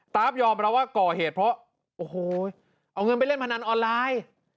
ยอมรับว่าก่อเหตุเพราะโอ้โหเอาเงินไปเล่นพนันออนไลน์